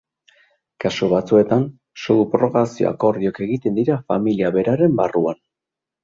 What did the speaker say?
Kasu batzuetan, subrogazio-akordioak egiten dira familia beraren barruan.